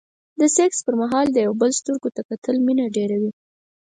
د سکس پر مهال د يو بل سترګو ته کتل مينه ډېروي.